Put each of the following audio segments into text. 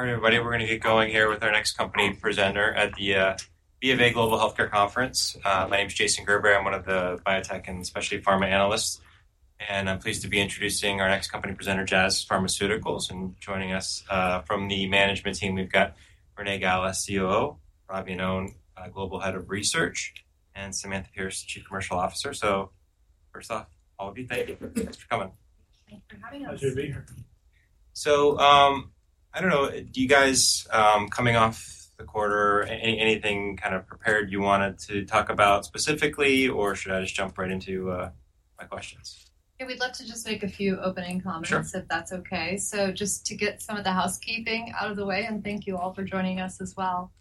All right, everybody, we're gonna get going here with our next company presenter at the BofA Global Healthcare Conference. My name is Jason Gerberry. I'm one of the biotech and specialty pharma analysts, and I'm pleased to be introducing our next company presenter, Jazz Pharmaceuticals, and joining us from the management team, we've got Renee Gala, COO, Rob Iannone, Global Head of Research, and Samantha Pearce, Chief Commercial Officer. So first off, all of you, thank you. Thanks for coming. Thanks for having us. Pleasure to be here. I don't know, do you guys coming off the quarter, and anything kind of prepared you wanted to talk about specifically, or should I just jump right into my questions? Yeah, we'd love to just make a few opening comments. Sure. If that's okay. So just to get some of the housekeeping out of the way, and thank you all for joining us as well.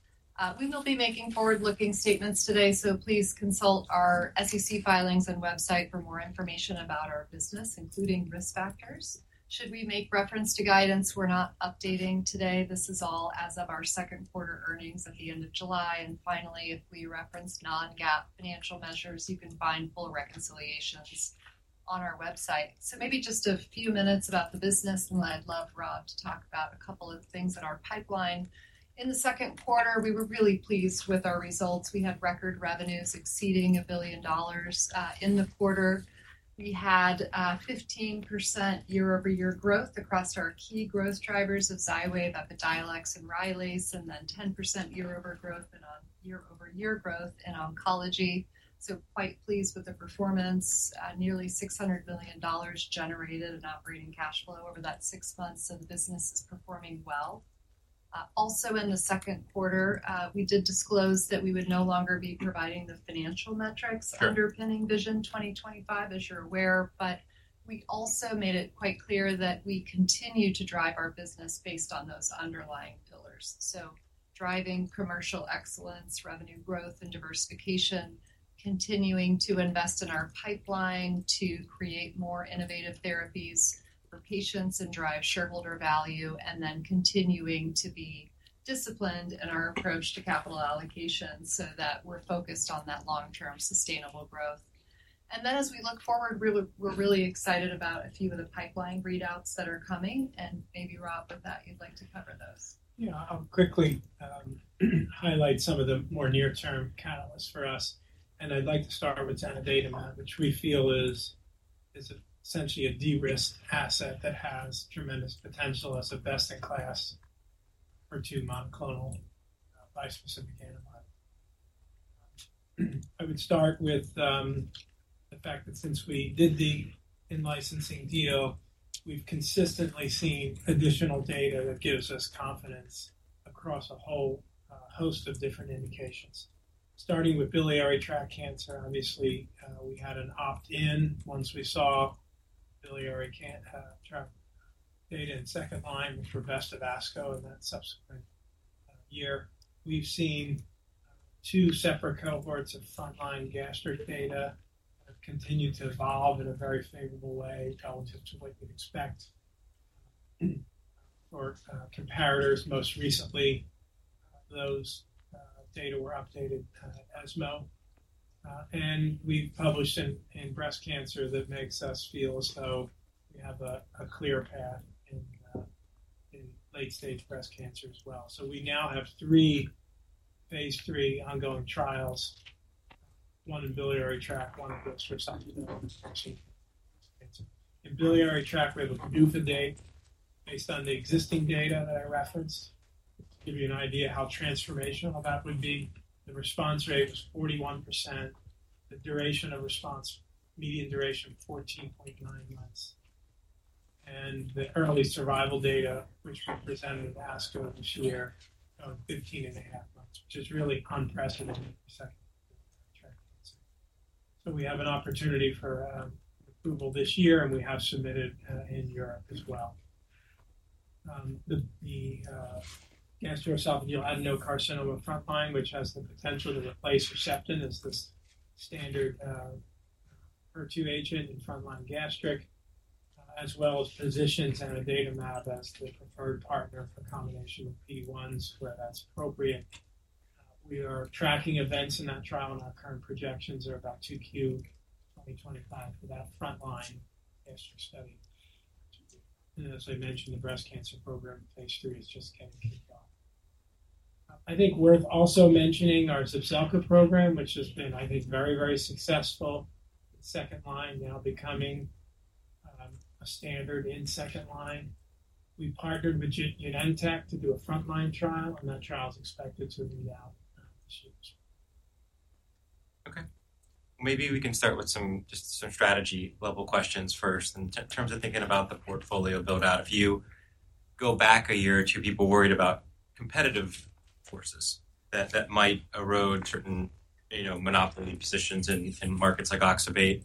We will be making forward-looking statements today, so please consult our SEC filings and website for more information about our business, including risk factors. Should we make reference to guidance, we're not updating today. This is all as of our second quarter earnings at the end of July. And finally, if we reference non-GAAP financial measures, you can find full reconciliations on our website. So maybe just a few minutes about the business, and I'd love Rob to talk about a couple of things in our pipeline. In the second quarter, we were really pleased with our results. We had record revenues exceeding $1 billion. In the quarter, we had 15% year-over-year growth across our key growth drivers of Xywav, Epidiolex, and Rylaze, and then 10% year-over-year growth in oncology, so quite pleased with the performance. Nearly $600 billion generated in operating cash flow over that six months, so the business is performing well. Also in the second quarter, we did disclose that we would no longer be providing the financial metrics- Sure. Underpinning Vision 2025, as you're aware, but we also made it quite clear that we continue to drive our business based on those underlying pillars. So driving commercial excellence, revenue growth, and diversification, continuing to invest in our pipeline to create more innovative therapies for patients and drive shareholder value, and then continuing to be disciplined in our approach to capital allocation so that we're focused on that long-term sustainable growth. And then, as we look forward, we're really excited about a few of the pipeline readouts that are coming, and maybe Rob, with that, you'd like to cover those. Yeah. I'll quickly highlight some of the more near-term catalysts for us, and I'd like to start with zanidatamab, which we feel is essentially a de-risked asset that has tremendous potential as a best-in-class HER2 monoclonal bispecific antibody. I would start with the fact that since we did the in-licensing deal, we've consistently seen additional data that gives us confidence across a whole host of different indications. Starting with biliary tract cancer, obviously, we had an opt-in once we saw biliary tract data in second line, which were best of ASCO, and then subsequent year. We've seen two separate cohorts of frontline gastric data continue to evolve in a very favorable way relative to what you'd expect for comparators. Most recently, those data were updated, as well. And we published in breast cancer that makes us feel as though we have a clear path in late-stage breast cancer as well. So we now have three phase III ongoing trials, one in biliary tract, one in breast or something. In biliary tract, we have a PDUFA date based on the existing data that I referenced. To give you an idea of how transformational that would be, the response rate was 41%, the duration of response, median duration, 14.9 months. The early survival data, which we presented at ASCO this year, of 15.5 months, which is really unprecedented for second-line. So we have an opportunity for approval this year, and we have submitted in Europe as well. The gastroesophageal adenocarcinoma frontline, which has the potential to replace Herceptin, is the standard HER2 agent in frontline gastric, as well as positioning zanidatamab as the preferred partner for combination with PD-1s, where that's appropriate. We are tracking events in that trial, and our current projections are about 2Q 2025 for that frontline gastric study. And as I mentioned, the breast cancer program, phase III, is just getting kicked off. I think worth also mentioning our Zepzelca program, which has been, I think, very, very successful. Second line now becoming a standard in second line. We partnered with Genentech to do a frontline trial, and that trial is expected to be out this year. Okay, maybe we can start with some, just some strategy-level questions first. In terms of thinking about the portfolio build-out, if you go back a year or two, people worried about competitive forces that might erode certain, you know, monopoly positions in markets like oxybate.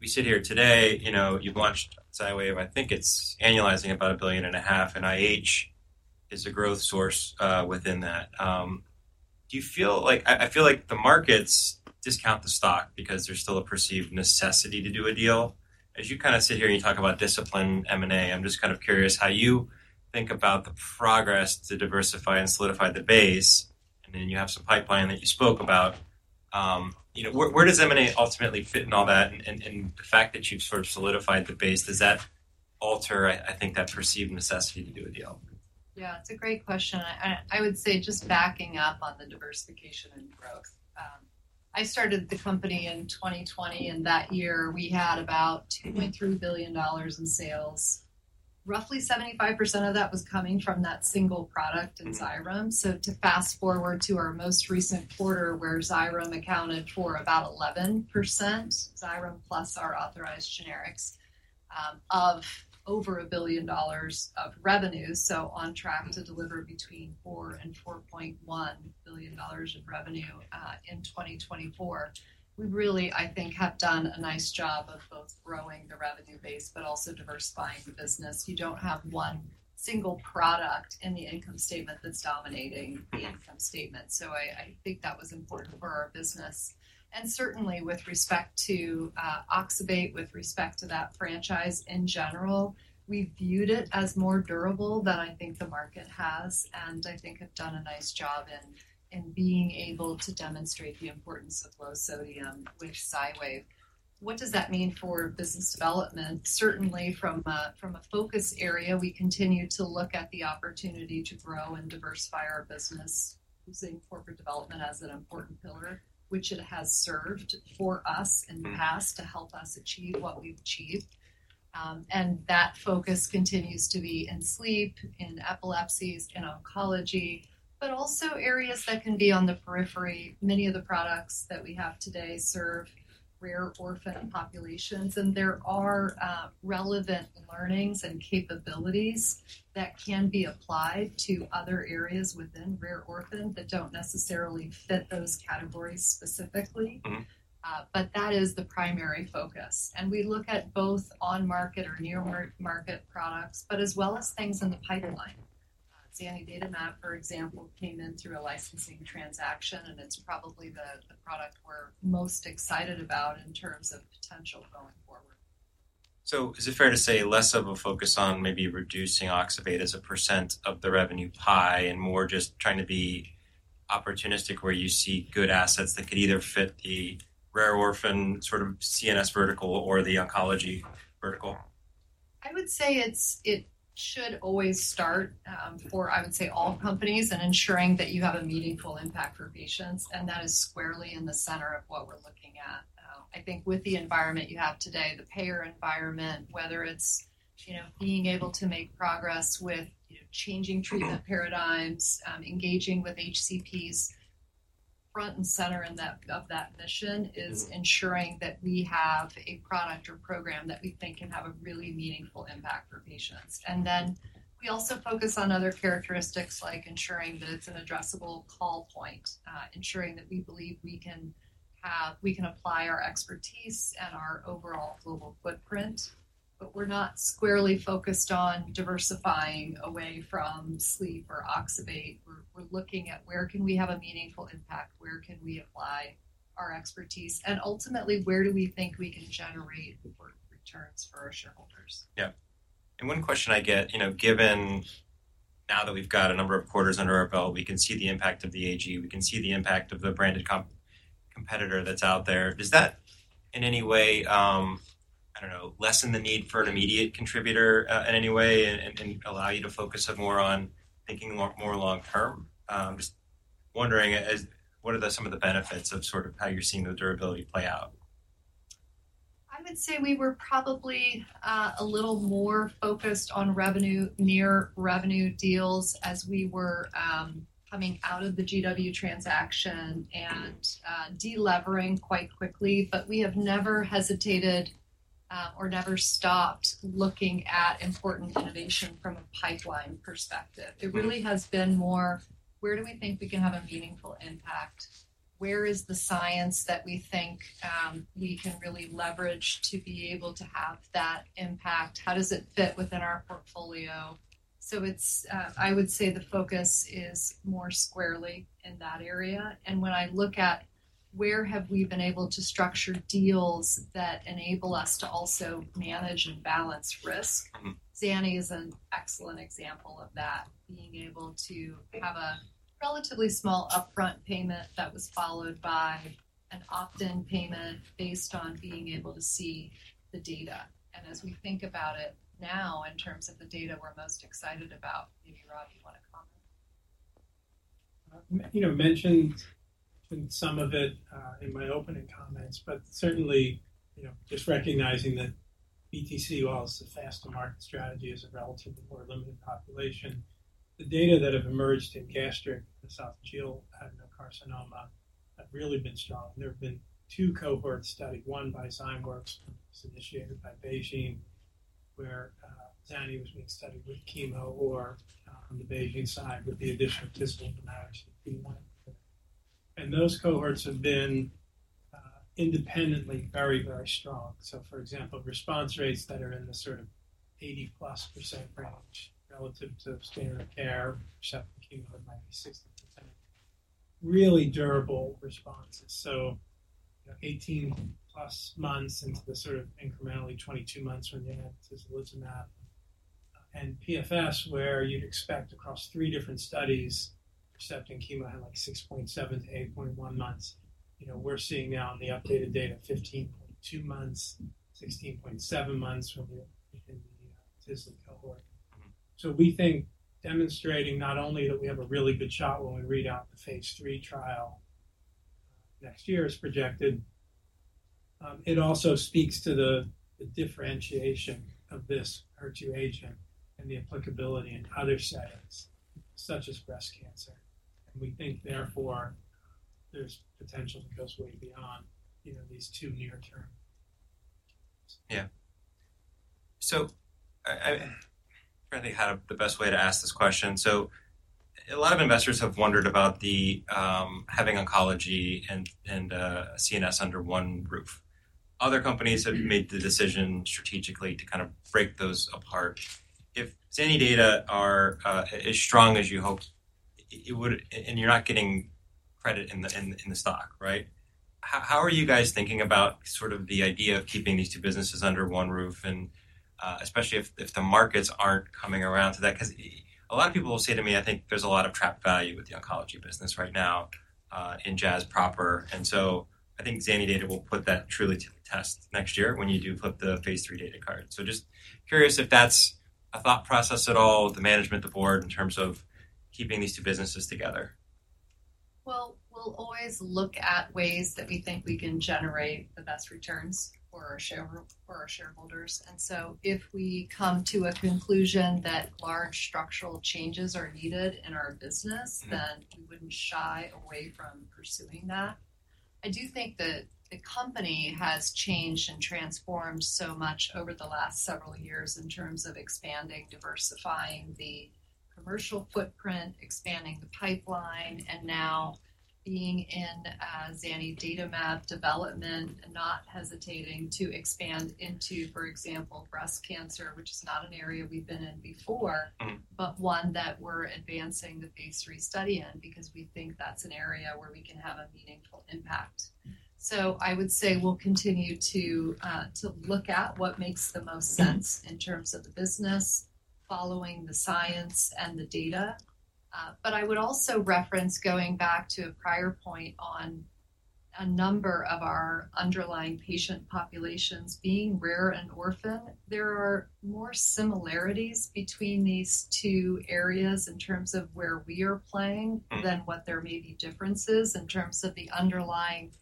We sit here today, you know, you've launched Xywav. I think it's annualizing about $1.5 billion, and IH is a growth source within that. Do you feel like... I feel like the markets discount the stock because there's still a perceived necessity to do a deal. As you kind of sit here and you talk about discipline, M&A, I'm just kind of curious how you think about the progress to diversify and solidify the base, and then you have some pipeline that you spoke about. You know, where does M&A ultimately fit in all that? And the fact that you've sort of solidified the base, does that alter, I think, that perceived necessity to do a deal? Yeah, it's a great question, and I would say just backing up on the diversification and growth. I started the company in 2020, and that year we had about $2.3 billion in sales. Roughly 75% of that was coming from that single product, Xyrem. So to fast forward to our most recent quarter, where Xyrem accounted for about 11%, Xyrem plus our authorized generics of over $1 billion of revenue, so on track to deliver between $4 billion and $4.1 billion of revenue in 2024. We really, I think, have done a nice job of both growing the revenue base but also diversifying the business. You don't have one single product in the income statement that's dominating the income statement, so I, I think that was important for our business. And certainly with respect to oxybate, with respect to that franchise in general, we viewed it as more durable than I think the market has, and I think have done a nice job in being able to demonstrate the importance of low sodium, which Xywav is. What does that mean for business development? Certainly from a focus area, we continue to look at the opportunity to grow and diversify our business, using corporate development as an important pillar, which it has served for us in the past to help us achieve what we've achieved. And that focus continues to be in sleep, in epilepsies, in oncology, but also areas that can be on the periphery. Many of the products that we have today serve rare orphan populations, and there are relevant learnings and capabilities that can be applied to other areas within rare orphan that don't necessarily fit those categories specifically. Mm-hmm. But that is the primary focus, and we look at both on-market or near-market products, but as well as things in the pipeline. Zanidatamab, for example, came in through a licensing transaction, and it's probably the product we're most excited about in terms of potential going forward. So is it fair to say less of a focus on maybe reducing oxybate as a percent of the revenue pie and more just trying to be opportunistic where you see good assets that could either fit the rare orphan, sort of CNS vertical or the oncology vertical? I would say it's, it should always start, I would say, all companies, in ensuring that you have a meaningful impact for patients, and that is squarely in the center of what we're looking at. I think with the environment you have today, the payer environment, whether it's, you know, being able to make progress with, you know, changing treatment paradigms, engaging with HCPs. Front and center in that, of that mission is ensuring that we have a product or program that we think can have a really meaningful impact for patients. And then we also focus on other characteristics, like ensuring that it's an addressable call point, ensuring that we believe we can apply our expertise and our overall global footprint, but we're not squarely focused on diversifying away from sleep or oxybate. We're looking at where can we have a meaningful impact, where can we apply our expertise, and ultimately, where do we think we can generate important returns for our shareholders? Yeah. And one question I get, you know, given now that we've got a number of quarters under our belt, we can see the impact of the AG, we can see the impact of the branded competitor that's out there. Does that in any way, I don't know, lessen the need for an immediate contributor, in any way and allow you to focus it more on thinking more long term? Just wondering, what are some of the benefits of sort of how you're seeing the durability play out? I would say we were probably a little more focused on revenue, near revenue deals as we were coming out of the GW transaction and delevering quite quickly. But we have never hesitated or never stopped looking at important innovation from a pipeline perspective. Mm-hmm. It really has been more, where do we think we can have a meaningful impact? Where is the science that we think we can really leverage to be able to have that impact? How does it fit within our portfolio? So it's, I would say the focus is more squarely in that area. And when I look at where have we been able to structure deals that enable us to also manage and balance risk- Mm-hmm. Zanidatamab is an excellent example of that, being able to have a relatively small upfront payment that was followed by an opt-in payment based on being able to see the data, and as we think about it now, in terms of the data we're most excited about, maybe, Rob, you want to comment? You know, mentioned some of it in my opening comments, but certainly, you know, just recognizing that BTC, well, is the fast-to-market strategy is a relatively more limited population. The data that have emerged in gastric and esophageal adenocarcinoma have really been strong. There have been two cohorts studied, one by Zymeworks, was initiated by BeiGene, where zanidatamab was being studied with chemo or, on the BeiGene side, with the addition of tislelizumab PD-1. And those cohorts have been independently very, very strong. So for example, response rates that are in the sort of 80%+ range relative to standard of care, checking on 96%, really durable responses. Eighteen plus months into the sort of incrementally 22 months when they had tislelizumab and PFS, where you'd expect across three different studies with chemo had like 6.7-8.1 months. You know, we're seeing now in the updated data, 15.2 months, 16.7 months from the, in the tislelizumab cohort. So we think demonstrating not only that we have a really good shot when we read out the phase III trial next year, as projected, it also speaks to the, the differentiation of this HER2 agent and the applicability in other settings, such as breast cancer. And we think, therefore, there's potential to go way beyond, you know, these two near term. Yeah. So, trying to think how to the best way to ask this question. So a lot of investors have wondered about the having oncology and CNS under one roof. Other companies have made the decision strategically to kind of break those apart. If zanidatamab is as strong as you hoped, it would and you're not getting credit in the stock, right? How are you guys thinking about sort of the idea of keeping these two businesses under one roof, and especially if the markets aren't coming around to that? 'Cause a lot of people will say to me, I think there's a lot of trapped value with the oncology business right now in Jazz proper. And so I think zanidatamab will put that truly to the test next year when you do flip the phase III data card. So just curious if that's a thought process at all with the management, the board, in terms of keeping these two businesses together. We'll always look at ways that we think we can generate the best returns for our shareholders. So if we come to a conclusion that large structural changes are needed in our business, then we wouldn't shy away from pursuing that. I do think that the company has changed and transformed so much over the last several years in terms of expanding, diversifying the commercial footprint, expanding the pipeline, and now being in zanidatamab development and not hesitating to expand into, for example, breast cancer, which is not an area we've been in before. Mm. but one that we're advancing the phase III study in, because we think that's an area where we can have a meaningful impact. So I would say we'll continue to look at what makes the most sense in terms of the business, following the science and the data. But I would also reference, going back to a prior point on a number of our underlying patient populations being rare and orphan. There are more similarities between these two areas in terms of where we are playing- Mm. than what there may be differences in terms of the underlying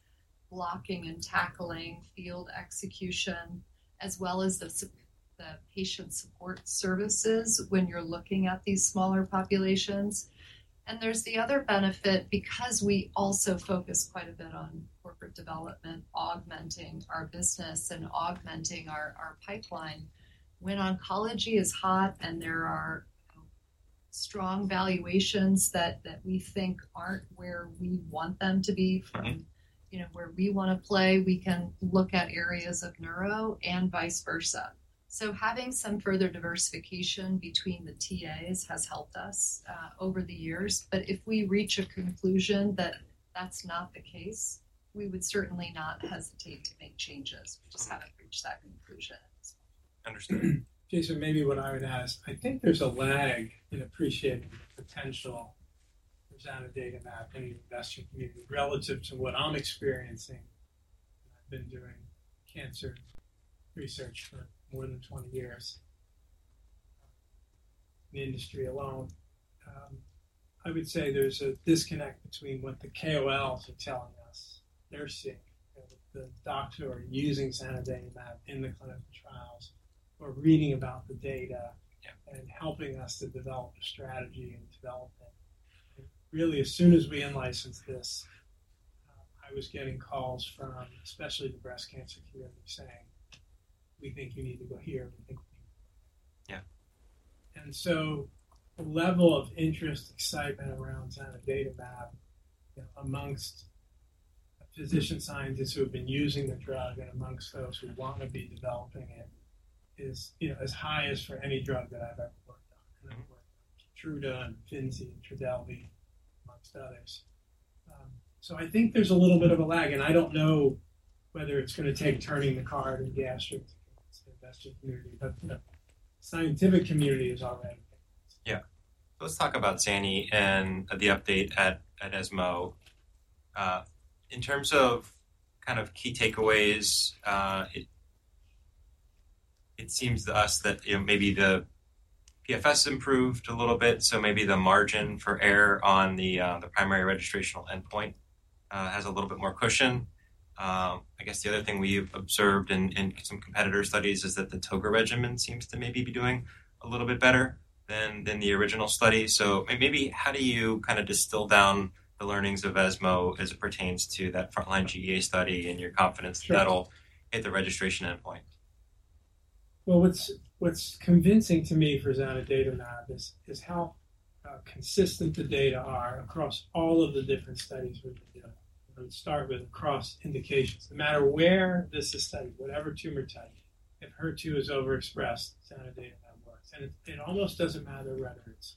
blocking and tackling field execution, as well as the patient support services when you're looking at these smaller populations. And there's the other benefit, because we also focus quite a bit on corporate development, augmenting our business and augmenting our pipeline. When oncology is hot, and there are strong valuations that we think aren't where we want them to be- Mm. From, you know, where we want to play, we can look at areas of neuro and vice versa. So having some further diversification between the TAs has helped us over the years. But if we reach a conclusion that that's not the case, we would certainly not hesitate to make changes. Okay. We just haven't reached that conclusion. Understood. Jason, maybe what I would ask, I think there's a lag in appreciating the potential of zanidatamab in the investment community, relative to what I'm experiencing. I've been doing cancer research for more than twenty years in the industry alone. I would say there's a disconnect between what the KOLs are telling us, they're seeing, the doctors who are using zanidatamab in the clinical trials or reading about the data- Yeah... and helping us to develop a strategy and develop it. Really, as soon as we in-licensed this, I was getting calls from, especially the breast cancer community, saying, "We think you need to go here. We think... Yeah. And so the level of interest and excitement around zanidatamab, among physician scientists who have been using the drug and among those who want to be developing it, is, you know, as high as for any drug that I've ever worked on. And I've worked on Keytruda and Imfinzi and Trodelvy, among others. So I think there's a little bit of a lag, and I don't know whether it's going to take turning the card in the gastric investment community, but the scientific community is already. Yeah. Let's talk about zanidatamab and the update at ESMO. In terms of kind of key takeaways, it seems to us that, you know, maybe the PFS improved a little bit, so maybe the margin for error on the primary registrational endpoint has a little bit more cushion. I guess the other thing we've observed in some competitor studies is that the ToGA regimen seems to maybe be doing a little bit better than the original study. So maybe how do you kind of distill down the learnings of ESMO as it pertains to that frontline GEA study and your confidence? Sure. that that'll hit the registration endpoint? What's convincing to me for zanidatamab is how consistent the data are across all of the different studies we've done. Let's start with cross indications. No matter where this is studied, whatever tumor type, if HER2 is overexpressed, zanidatamab works, and it almost doesn't matter whether it's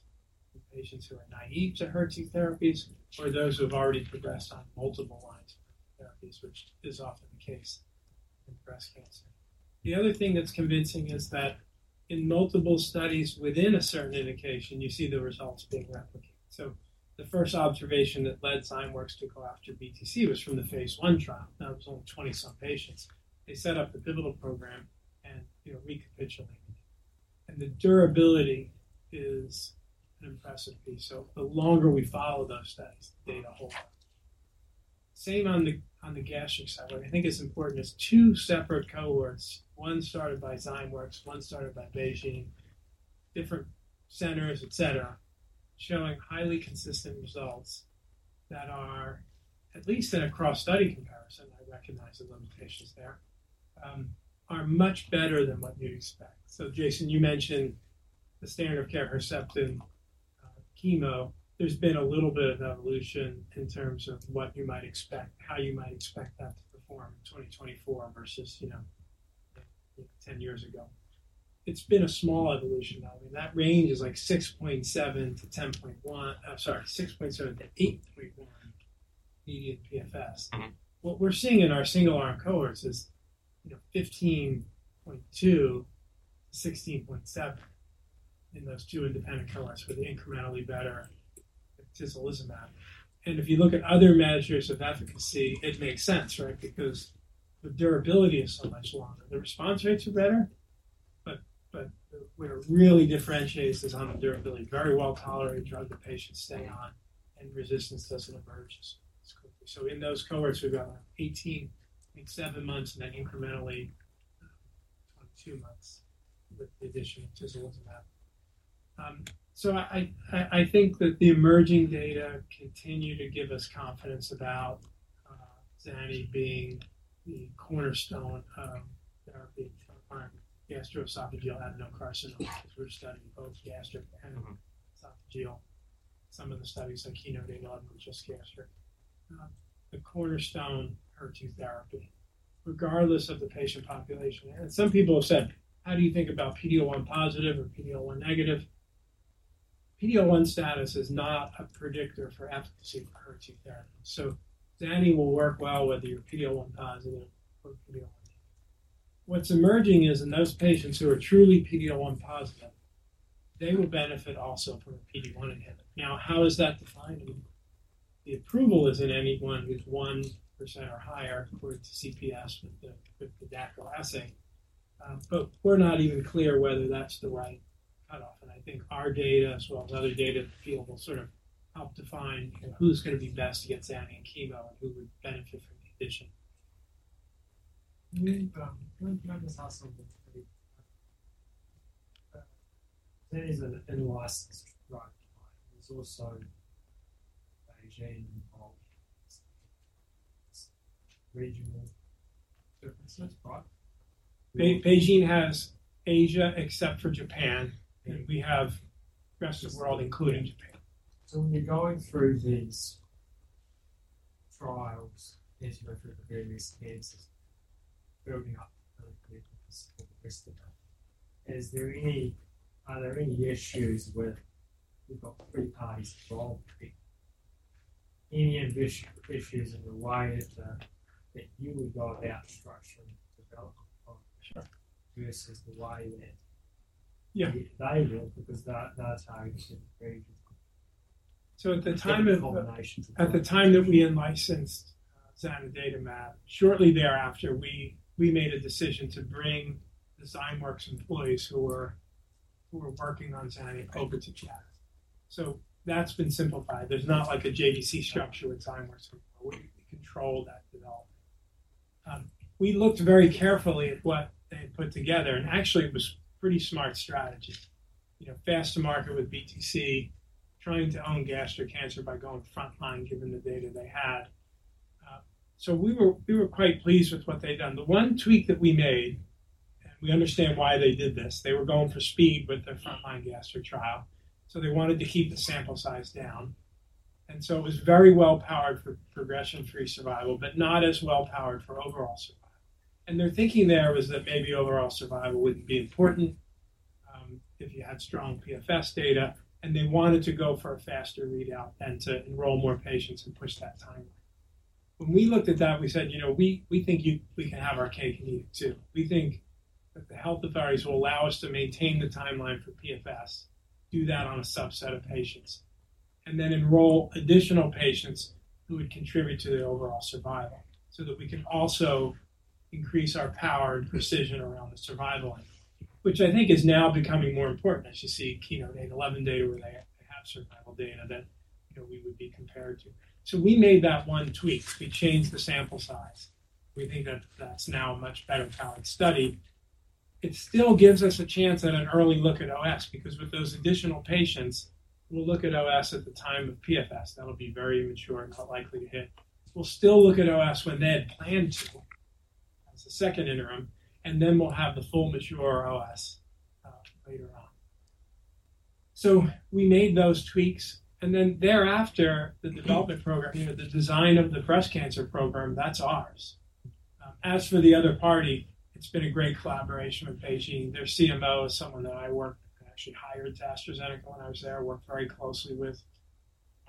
patients who are naive to HER2 therapies or those who have already progressed on multiple lines of therapies, which is often the case in breast cancer. The other thing that's convincing is that in multiple studies within a certain indication, you see the results being replicated. The first observation that led Zymeworks to go after BTC was from the phase I trial. That was only 20-some patients. They set up the pivotal program, and, you know, recapitulated it. The durability is an impressive piece. The longer we follow those studies, the data hold up. Same on the, on the gastric side, what I think is important is two separate cohorts, one started by Zymeworks, one started by BeiGene, different centers, et cetera, showing highly consistent results that are, at least in a cross-study comparison, I recognize the limitations there, are much better than what you'd expect. So, Jason, you mentioned the standard of care Herceptin, chemo. There's been a little bit of evolution in terms of what you might expect, how you might expect that to perform in 2024 versus, you know, ten years ago. It's been a small evolution, though. I mean, that range is like 6.7 to 10.1, 6.7 to 8.1, median PFS. Mm-hmm. What we're seeing in our single-arm cohorts is, you know, 15.2-16.7 in those two independent cohorts with the incrementally better tislelizumab. And if you look at other measures of efficacy, it makes sense, right? Because the durability is so much longer. The response rates are better, but what it really differentiates is on the durability, very well-tolerated drug, the patients stay on, and resistance doesn't emerge as quickly. So in those cohorts, we've got 18 and 7 months, and then incrementally, 22 months with the addition of tislelizumab. So I think that the emerging data continue to give us confidence about zanidatamab being the cornerstone of therapy for gastroesophageal adenocarcinoma, because we're studying both gastric and- Mm-hmm. -esophageal. Some of the studies on KEYNOTE-811, which is gastric. The cornerstone HER2 therapy, regardless of the patient population. And some people have said, "How do you think about PD-L1 positive or PD-L1 negative? PD-L1 status is not a predictor for efficacy of HER2 therapy. So zanidatamab will work well, whether you're PD-L1 positive or PD-L1. What's emerging is in those patients who are truly PD-L1 positive, they will benefit also from a PD-L1 inhibitor. Now, how is that defined? And the approval is in anyone who's 1% or higher according to CPS with the, with the Dako assay. But we're not even clear whether that's the right cutoff. And I think our data, as well as other data in the field, will sort of help define who's gonna be best to get zanidatamab and chemo and who would benefit from the addition. Can we, can I just ask something? There is an in-licensed drug. There's also BeiGene involved regional. Is that right? BeiGene has Asia, except for Japan, and we have the rest of the world, including Japan. So when you're going through these trials, as you went through the various phases, building up the risk of that, are there any issues with, you've got three parties involved, any issues in the way that, that you would go about structuring the development of- Sure. versus the way that Yeah. They will, because that, that's how you see it very different. So at the time of- Combinations. At the time that we in-licensed zanidatamab, shortly thereafter, we made a decision to bring the Zymeworks employees who were working on zanidatamab over to Jazz. So that's been simplified. There's not like a JDC structure at Zymeworks. We control that development. We looked very carefully at what they had put together, and actually, it was pretty smart strategy. You know, fast to market with BTC, trying to own gastric cancer by going frontline, given the data they had. So we were quite pleased with what they'd done. The one tweak that we made, and we understand why they did this, they were going for speed with their frontline gastric trial, so they wanted to keep the sample size down. And so it was very well-powered for progression-free survival, but not as well-powered for overall survival. Their thinking there was that maybe overall survival wouldn't be important, if you had strong PFS data, and they wanted to go for a faster readout and to enroll more patients and push that timeline. When we looked at that, we said, you know, we think we can have our cake and eat it, too. We think that the health authorities will allow us to maintain the timeline for PFS, do that on a subset of patients, and then enroll additional patients who would contribute to the overall survival so that we can also increase our power and precision around the survival, which I think is now becoming more important as you see KEYNOTE-811 data, where they have survival data that, you know, we would be compared to. So we made that one tweak. We changed the sample size. We think that that's now a much better powered study. It still gives us a chance at an early look at OS, because with those additional patients, we'll look at OS at the time of PFS. That'll be very mature and not likely to hit. We'll still look at OS when they had planned to as a second interim, and then we'll have the full mature OS, later on. So we made those tweaks, and then thereafter, the development program, you know, the design of the breast cancer program, that's ours. As for the other party, it's been a great collaboration with BeiGene. Their CMO is someone that I worked and actually hired to AstraZeneca when I was there, worked very closely with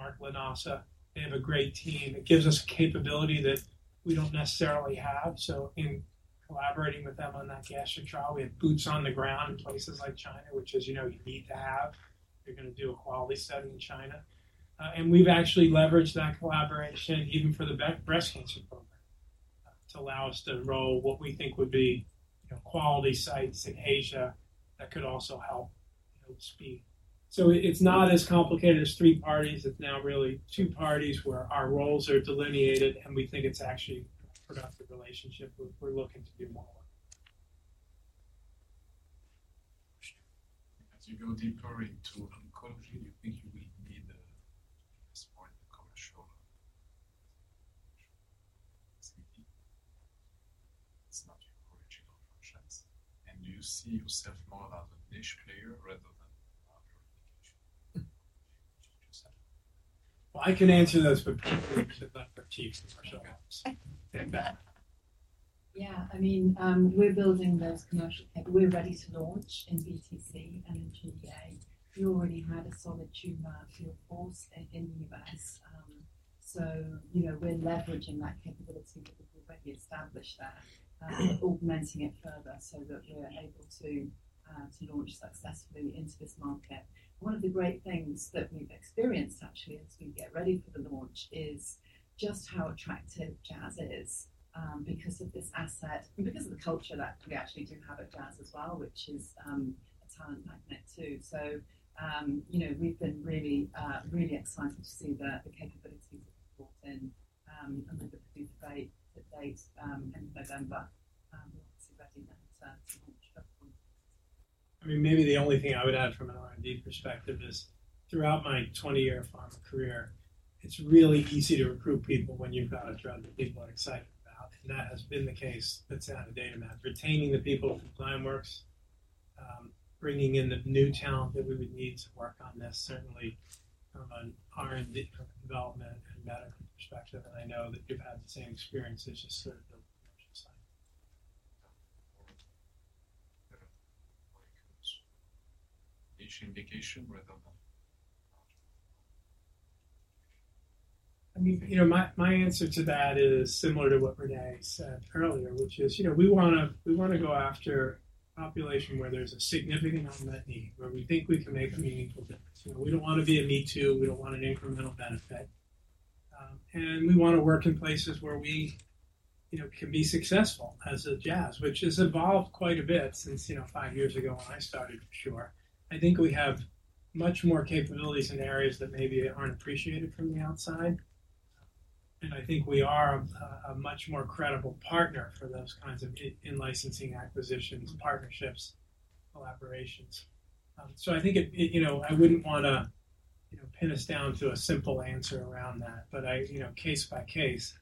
Mark Lanasa. They have a great team. It gives us capability that we don't necessarily have. So in collaborating with them on that gastric trial, we have boots on the ground in places like China, which as you know, you need to have if you're going to do a quality study in China. And we've actually leveraged that collaboration even for the breast cancer program, to allow us to enroll what we think would be, you know, quality sites in Asia that could also help, you know, speed. So it's not as complicated as three parties. It's now really two parties where our roles are delineated, and we think it's actually a productive relationship we're looking to do more with. As you go deeper into oncology, do you think you will need a more commercial CP? It's not your original functions, and do you see yourself more as a niche player rather than a larger application? I can answer this, but particularly to the commercial ops. Take that. Yeah, I mean, we're building those commercial team. We're ready to launch in BTC and in GEA. We already had a solid tumor field force in the US. So you know, we're leveraging that capability that we've already established there, augmenting it further so that we're able to launch successfully into this market. One of the great things that we've experienced, actually, as we get ready for the launch is just how attractive Jazz is, because of this asset and because of the culture that we actually do have at Jazz as well, which is a talent magnet, too. So, you know, we've been really excited to see the capabilities that we've brought in, and with the PDUFA date in November, we're ready to launch that one. I mean, maybe the only thing I would add from an R&D perspective is throughout my twenty-year pharma career, it's really easy to recruit people when you've got a drug that people are excited about, and that has been the case at Jazz Pharmaceuticals. Retaining the people from GW Pharmaceuticals, bringing in the new talent that we would need to work on this, certainly from an R&D development and medical perspective, and I know that you've had the same experience as just sort of the side. Each indication rather than... I mean, you know, my answer to that is similar to what Renée said earlier, which is, you know, we wanna go after a population where there's a significant unmet need, where we think we can make a meaningful difference. You know, we don't want to be a me too. We don't want an incremental benefit, and we want to work in places where we, you know, can be successful as a Jazz, which has evolved quite a bit since, you know, five years ago when I started, for sure. I think we have much more capabilities in areas that maybe aren't appreciated from the outside, and I think we are a much more credible partner for those kinds of in-licensing acquisitions, partnerships, collaborations. I think it, you know, I wouldn't wanna, you know, pin us down to a simple answer around that, but you know, case by case.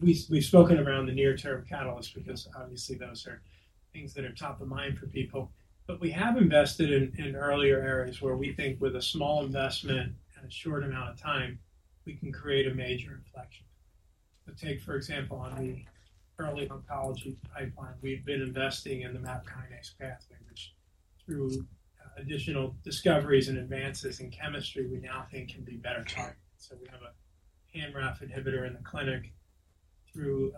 We have spoken around the near-term catalyst because obviously, those are things that are top of mind for people. We have invested in earlier areas where we think with a small investment and a short amount of time, we can create a major inflection. Take, for example, on the early oncology pipeline. We have been investing in the MAP kinase pathway, which through additional discoveries and advances in chemistry, we now think can be better targeted. We have a Pan-RAF inhibitor in the clinic through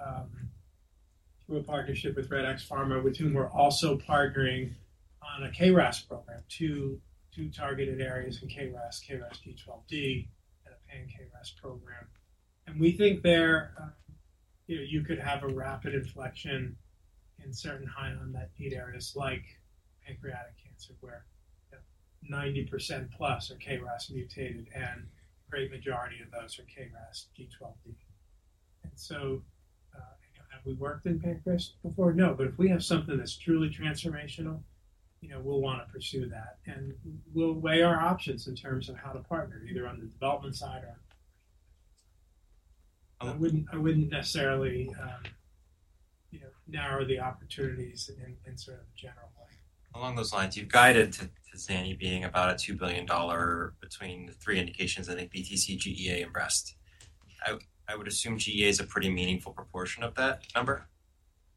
a partnership with Redx Pharma, with whom we are also partnering on a KRAS program, two targeted areas in KRAS, KRAS G12D, and a Pan-KRAS program. We think there, you know, you could have a rapid inflection in certain high unmet need areas like pancreatic cancer, where 90%+ are KRAS mutated, and a great majority of those are KRAS G12D. So, you know, have we worked in pancreas before? No, but if we have something that's truly transformational, you know, we'll want to pursue that, and we'll weigh our options in terms of how to partner, either on the development side or. I wouldn't necessarily, you know, narrow the opportunities in sort of a general way. Along those lines, you've guided to zanidatamab being about a $2 billion between the three indications, I think BTC, GEA, and breast. I would assume GEA is a pretty meaningful proportion of that number.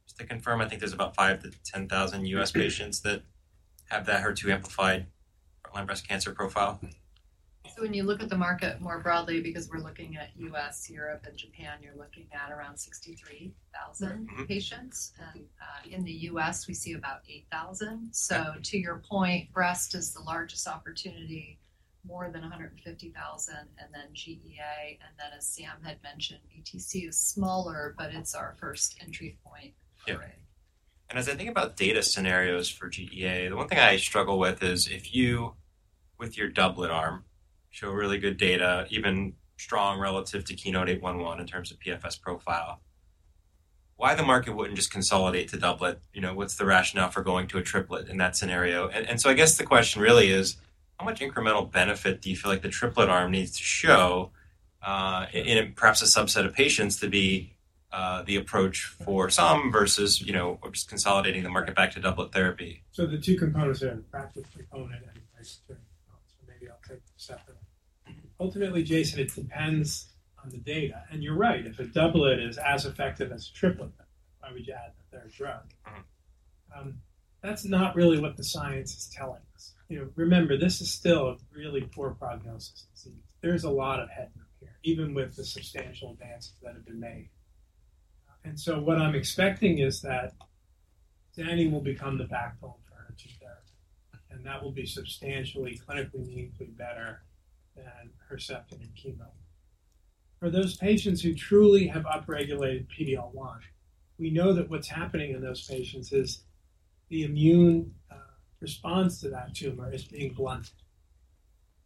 Just to confirm, I think there's about five to 10 thousand U.S. patients that have that HER2 amplified breast cancer profile. So when you look at the market more broadly, because we're looking at U.S., Europe, and Japan, you're looking at around 63,000- Mm-hmm. -patients, and, in the U.S., we see about 8,000. So to your point, breast is the largest opportunity, more than 150,000, and then GEA, and then, as Sam had mentioned, BTC is smaller, but it's our first entry point. Yeah. And as I think about data scenarios for GEA, the one thing I struggle with is if you, with your doublet arm, show really good data, even strong relative to KEYNOTE-811 in terms of PFS profile, why the market wouldn't just consolidate to doublet? You know, what's the rationale for going to a triplet in that scenario? And so I guess the question really is, how much incremental benefit do you feel like the triplet arm needs to show in perhaps a subset of patients to be the approach for some versus, you know, or just consolidating the market back to doublet therapy? So the two components are pricing component and price term. Ultimately, Jason, it depends on the data, and you're right. If a doublet is as effective as a triplet, why would you add the third drug? That's not really what the science is telling us. You know, remember, this is still a really poor prognosis. There's a lot of headroom here, even with the substantial advances that have been made. And so what I'm expecting is that zanidatamab will become the backbone for our therapy, and that will be substantially clinically meaningfully better than Herceptin and chemo. For those patients who truly have upregulated PD-L1, we know that what's happening in those patients is the immune response to that tumor is being blunted,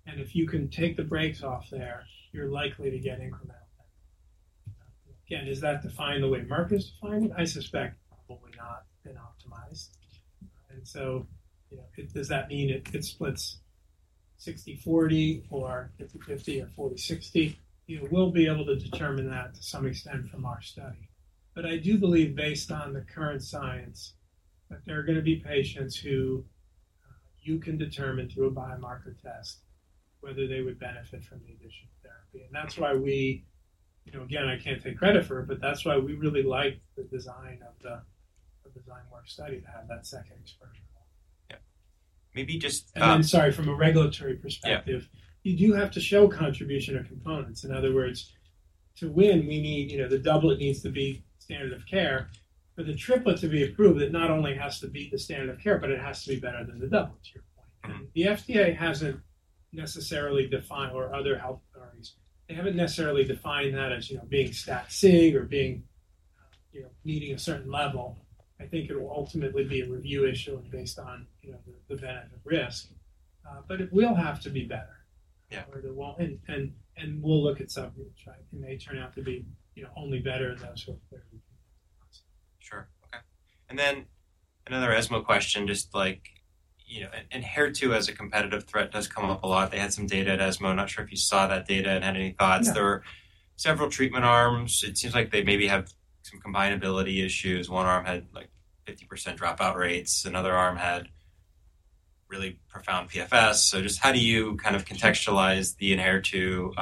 and if you can take the brakes off there, you're likely to get incremental benefit. Again, does that define the way Merck is defining it? I suspect probably not been optimized, and so, you know, does that mean it splits sixty/forty or fifty/fifty, or forty/sixty? You will be able to determine that to some extent from our study. But I do believe, based on the current science, that there are going to be patients who you can determine through a biomarker test whether they would benefit from the additional therapy. And that's why we, you know, again, I can't take credit for it, but that's why we really like the design of the design work study to have that second exploration. Yeah. Maybe just, Sorry, from a regulatory perspective- Yeah. You do have to show contribution or components. In other words, to win, we need, you know, the doublet needs to be standard of care. For the triplet to be approved, it not only has to beat the standard of care, but it has to be better than the doublet, to your point. The FDA hasn't necessarily defined or other health authorities, they haven't necessarily defined that as, you know, being stat sig or being, you know, meeting a certain level. I think it'll ultimately be a review issue based on, you know, the benefit of risk, but it will have to be better. Yeah. Overall, we'll look at subgroups. It may turn out to be, you know, only better in those with clear Sure. Okay. And then another ESMO question, just like, you know, Enhertu as a competitive threat does come up a lot. They had some data at ESMO. I'm not sure if you saw that data and had any thoughts. No. There were several treatment arms. It seems like they maybe have some combinability issues. One arm had, like, 50% dropout rates, another arm had really profound PFS. So just how do you kind of contextualize the Enhertu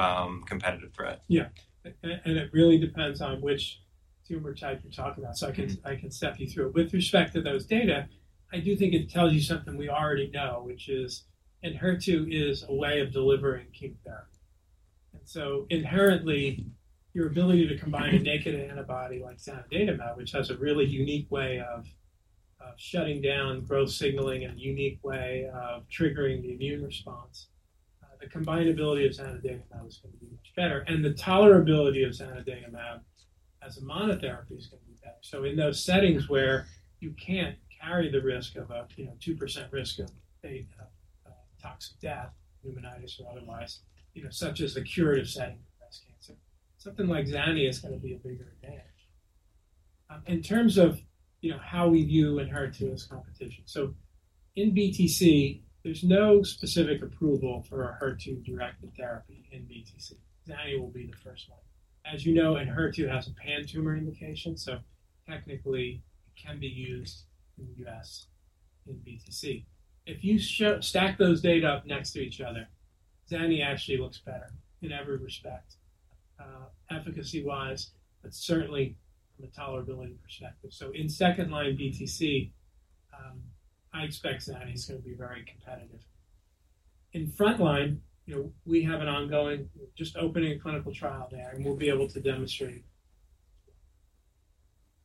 competitive threat? Yeah. And it really depends on which tumor type you're talking about. So I can step you through it. With respect to those data, I do think it tells you something we already know, which is Enhertu is a way of delivering chemotherapy. And so inherently, your ability to combine a naked antibody like zanidatamab, which has a really unique way of shutting down growth signaling and a unique way of triggering the immune response, the combinability of zanidatamab is going to be much better, and the tolerability of zanidatamab as a monotherapy is going to be better. So in those settings where you can't carry the risk of a, you know, 2% risk of a toxic death, pneumonitis or otherwise, you know, such as the curative setting for breast cancer, something like zanidatamab is going to be a bigger advantage. In terms of, you know, how we view Enhertu as competition. So in BTC, there's no specific approval for a HER2-directed therapy in BTC. Zanidatamab will be the first one. As you know, Enhertu has a pan-tumor indication, so technically, it can be used in the U.S. in BTC. If you stack those data up next to each other, zanidatamab actually looks better in every respect, efficacy-wise, but certainly from a tolerability perspective. So in second-line BTC, I expect zanidatamab is going to be very competitive. In frontline, you know, we have an ongoing, just opening a clinical trial there, and we'll be able to demonstrate.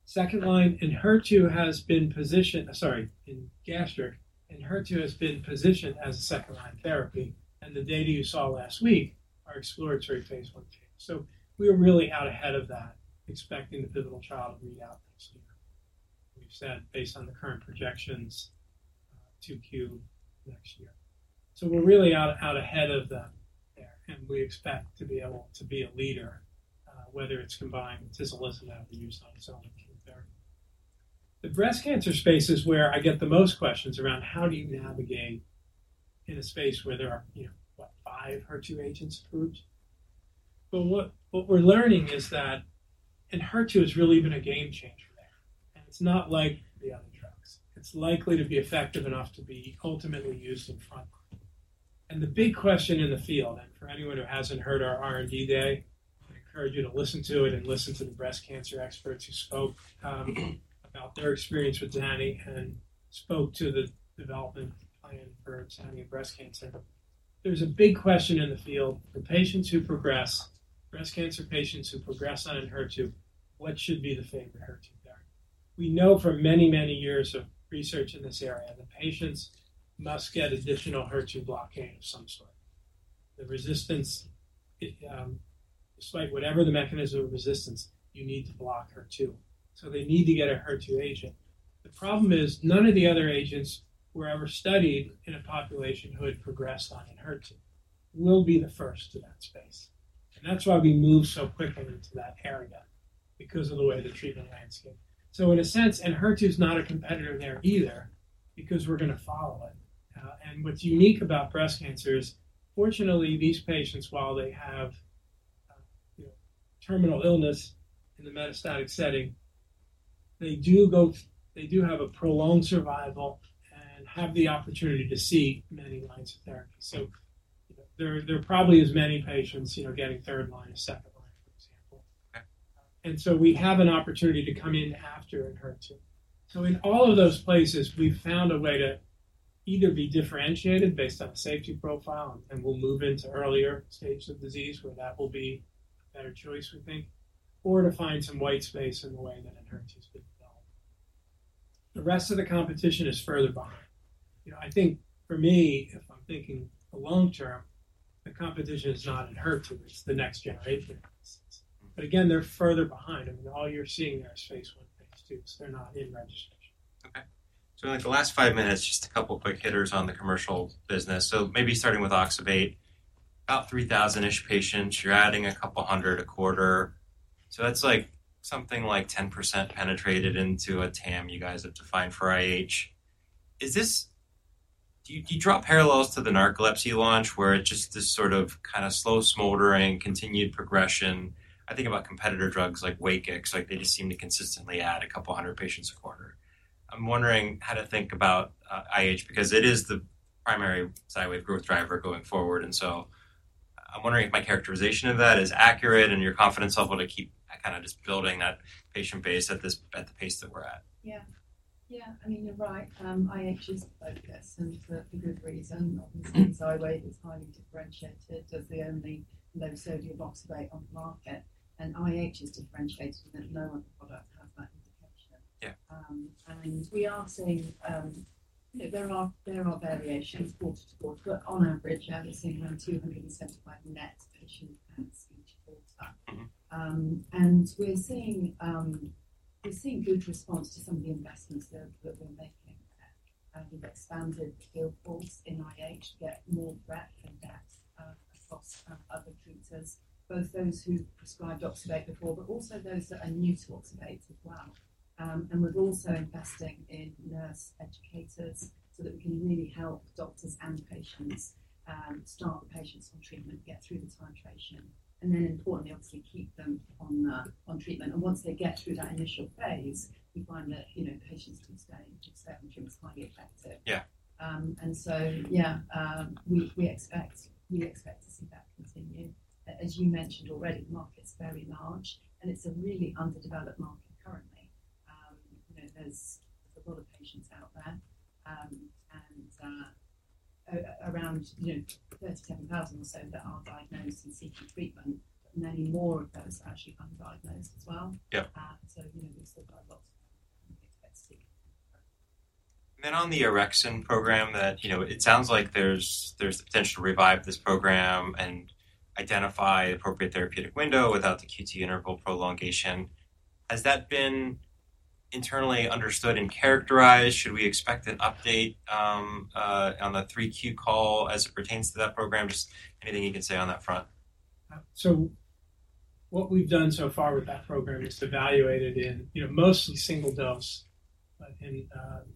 Second line, Enhertu has been positioned. Sorry, in gastric, Enhertu has been positioned as a second-line therapy, and the data you saw last week are exploratory phase I data. So we are really out ahead of that, expecting the pivotal trial to read out next year. We've said, based on the current projections, 2Q next year. So we're really out ahead of them there, and we expect to be able to be a leader, whether it's combined with tislelizumab or used on its own chemotherapy. The breast cancer space is where I get the most questions around how do you navigate in a space where there are, you know, what, five HER2 agents approved? But what we're learning is that Enhertu has really been a game changer there, and it's not like the other drugs. It's likely to be effective enough to be ultimately used in front line. And the big question in the field, and for anyone who hasn't heard our R&D day, I encourage you to listen to it and listen to the breast cancer experts who spoke about their experience with zanidatamab and spoke to the development plan for zanidatamab in breast cancer. There's a big question in the field for patients who progress, breast cancer patients who progress on Enhertu. What should be the favorite HER2 therapy? We know for many, many years of research in this area, the patients must get additional HER2 blocking of some sort. The resistance, despite whatever the mechanism of resistance, you need to block HER2, so they need to get a HER2 agent. The problem is, none of the other agents were ever studied in a population who had progressed on Enhertu. We'll be the first in that space, and that's why we moved so quickly into that area, because of the way the treatment landscape. So in a sense, Enhertu is not a competitor there either, because we're going to follow it. And what's unique about breast cancer is, fortunately, these patients, while they have terminal illness in the metastatic setting, they do have a prolonged survival and have the opportunity to see many lines of therapy. So there, there are probably as many patients, you know, getting third line or second line, for example. Okay. We have an opportunity to come in after Enhertu. In all of those places, we've found a way to either be differentiated based on safety profile, and we'll move into earlier stages of disease where that will be a better choice, we think, or to find some white space in the way that Enhertu's development. The rest of the competition is further behind. You know, I think for me, if I'm thinking long term, the competition is not Enhertu, it's the next generation. But again, they're further behind. I mean, all you're seeing there is phase I, phase II, so they're not in registration. Okay. So in, like, the last five minutes, just a couple of quick hitters on the commercial business. So maybe starting with Xywav, about three thousand-ish patients, you're adding a couple hundred a quarter. So that's like something like 10% penetrated into a TAM you guys have defined for IH. Is this... Do you draw parallels to the narcolepsy launch, where it's just this sort of kind of slow, smoldering, continued progression? I think about competitor drugs like Wakix, like they just seem to consistently add a couple hundred patients a quarter. I'm wondering how to think about IH, because it is the primary sideways growth driver going forward, and so I'm wondering if my characterization of that is accurate and your confidence level to keep kind of just building that patient base at this, at the pace that we're at. Yeah. Yeah, I mean, you're right. IH is the focus and for a good reason. Obviously, Xywav is highly differentiated as the only low-sodium oxybate on the market, and IH is differentiated because no other product has that indication. Yeah. And we are seeing, you know, there are variations quarter to quarter, but on average, I would say around two hundred and seventy-five net patients each quarter. Mm-hmm. And we're seeing good response to some of the investments that we're making. We've expanded the field force in IH to get more breadth and depth across other treaters, both those who prescribed Xywav before, but also those that are new to Xywav as well. And we're also investing in nurse educators so that we can really help doctors and patients start the patients on treatment, get through the titration, and then importantly, obviously, keep them on treatment. And once they get through that initial phase, we find that, you know, patients can stay and treatment is highly effective. Yeah. And so, yeah, we expect to see that continue. As you mentioned already, the market's very large, and it's a really underdeveloped market currently. You know, there's a lot of patients out there, and around, you know, 37,000 or so that are diagnosed and seeking treatment, but many more of those are actually undiagnosed as well. Yeah. So, you know, we've still got a lot to expect to see. Then on the orexin program that, you know, it sounds like there's the potential to revive this program and identify appropriate therapeutic window without the QT interval prolongation. Has that been internally understood and characterized? Should we expect an update on the 3Q call as it pertains to that program? Just anything you can say on that front. So what we've done so far with that program is to evaluate it in, you know, mostly single dose, but in,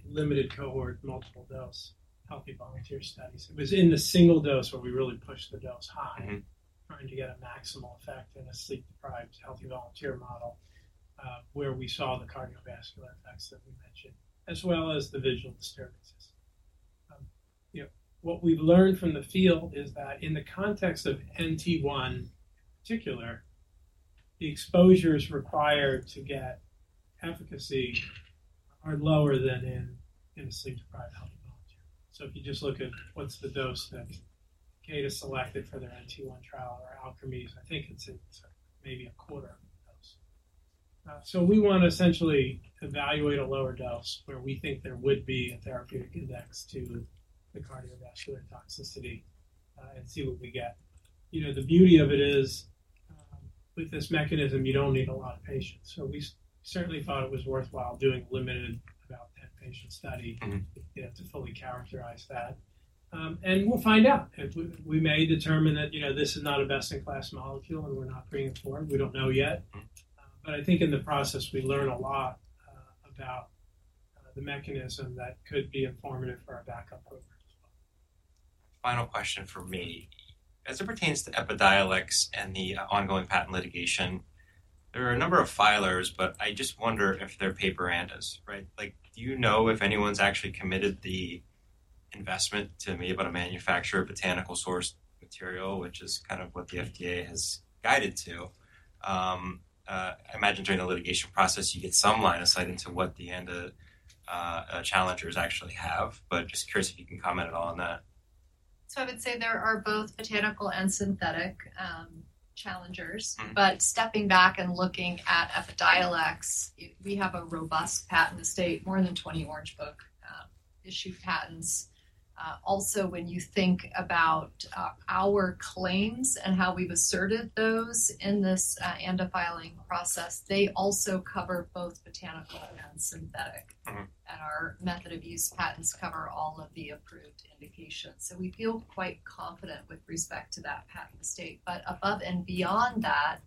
limited cohort, multiple dose, healthy volunteer studies. It was in the single dose where we really pushed the dose high- Mm-hmm. Trying to get a maximal effect in a sleep-deprived, healthy volunteer model, where we saw the cardiovascular effects that we mentioned, as well as the visual disturbances. You know, what we've learned from the field is that in the context of NT1, in particular, the exposures required to get efficacy are lower than in a sleep-deprived, healthy volunteer. So if you just look at what's the dose that Takeda selected for their NT1 trial or Alkermes, I think it's in maybe a quarter of the dose. So we want to essentially evaluate a lower dose where we think there would be a therapeutic index to the cardiovascular toxicity, and see what we get. You know, the beauty of it is, with this mechanism, you don't need a lot of patients. We certainly thought it was worthwhile doing limited about 10-patient study. Mm-hmm. to fully characterize that, and we'll find out. If we may determine that, you know, this is not a best-in-class molecule, and we're not bringing it forward. We don't know yet. Mm-hmm. But I think in the process, we learn a lot about the mechanism that could be informative for our backup program as well. Final question for me. As it pertains to Epidiolex and the ongoing patent litigation, there are a number of filers, but I just wonder if they're paper ANDAs, right? Like, do you know if anyone's actually committed the investment to be able to manufacture botanical source material, which is kind of what the FDA has guided to? I imagine during the litigation process, you get some line of sight into what the ANDA challengers actually have, but just curious if you can comment at all on that. So I would say there are both botanical and synthetic challengers. Mm-hmm. But stepping back and looking at Epidiolex, we have a robust patent estate, more than twenty Orange Book issue patents. Also, when you think about our claims and how we've asserted those in this ANDA filing process, they also cover both botanical and synthetic. Mm-hmm. Our method of use patents cover all of the approved indications. We feel quite confident with respect to that patent estate. Above and beyond that,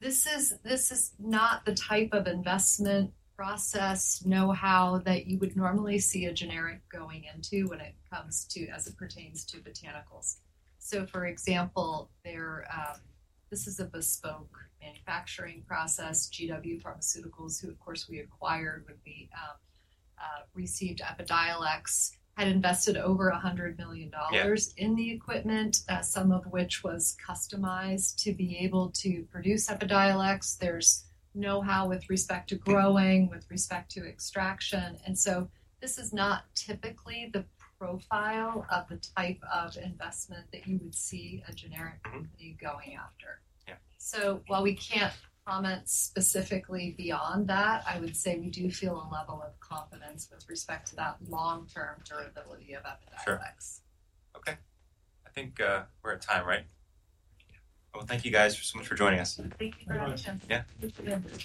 this is not the type of investment process know-how that you would normally see a generic going into when it comes to, as it pertains to botanicals. For example, this is a bespoke manufacturing process. GW Pharmaceuticals, who of course we acquired when we received Epidiolex, had invested over $100 million Yeah... in the equipment, some of which was customized to be able to produce Epidiolex. There's know-how with respect to growing- Yeah With respect to extraction, and so this is not typically the profile of the type of investment that you would see a generic. Mm-hmm -company going after. Yeah. While we can't comment specifically beyond that, I would say we do feel a level of confidence with respect to that long-term durability of Epidiolex. Sure. Okay. I think, we're at time, right? Yeah. Thank you guys so much for joining us. Thank you very much. Thank you. Yeah. Thank you.